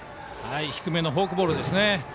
低めのフォークボール。